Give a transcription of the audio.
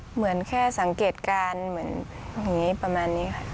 เหมือนแค่สังเกตการณ์เหมือนอย่างนี้ประมาณนี้ค่ะ